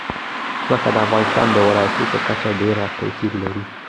ځمکه د افغانستان د ولایاتو په کچه ډېر توپیر لري.